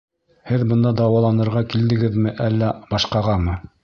Һеҙ бында дауаланырға килдегеҙме, әллә... башҡағамы?